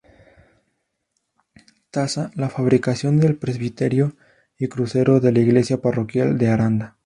Tasa la fabricación del presbiterio y crucero de la iglesia parroquial de Aranda.